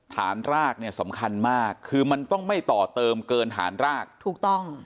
รากเนี่ยสำคัญมากคือมันต้องไม่ต่อเติมเกินฐานรากถูกต้อง